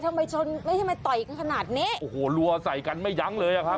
ทำไมชนไม่ทำไมต่อยกันขนาดนี้โอ้โหรัวใส่กันไม่ยั้งเลยอ่ะครับ